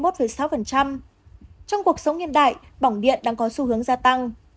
trong cuộc sống hiện đại bỏng điện đang có xu hướng gia tăng